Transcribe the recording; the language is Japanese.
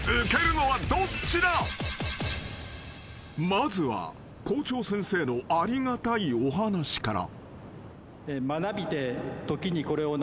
［まずは校長先生のありがたいお話から］